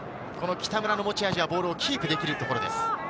北村の持ち味はボールをキープできるところです。